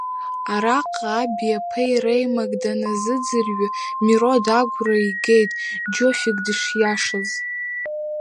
Араҟа аби аԥеи реимак даназыӡырҩы, Мирод агәра игеит Џьофик дышиашаз.